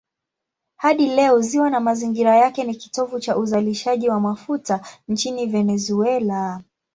Hadi leo ziwa na mazingira yake ni kitovu cha uzalishaji wa mafuta nchini Venezuela.